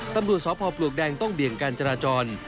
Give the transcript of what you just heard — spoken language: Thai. ตำรวจสพปลวกแดงต้องเบี่ยงการจราจร